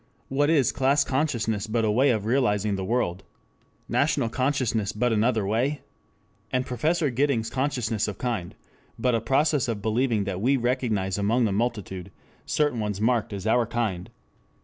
What is class consciousness but a way of realizing the world? National consciousness but another way? And Professor Giddings' consciousness of kind, but a process of believing that we recognize among the multitude certain ones marked as our kind?